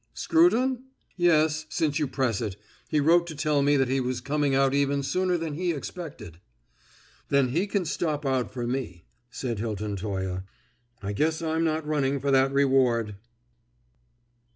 "Scruton? Yes since you press it he wrote to tell me that he was coming out even sooner than he expected." "Then he can stop out for me," said Hilton Toye. "I guess I'm not running for that reward!"